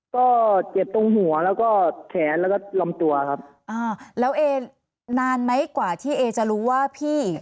ก็เจ็บตรงหัวแล้วก็แขนแล้วก็ลำตัวครับอ่าแล้วเอนานไหมกว่าที่เอจะรู้ว่าพี่